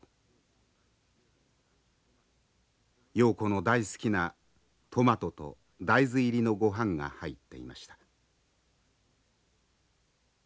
瑤子の大好きなトマトと大豆入りのごはんが入っていました。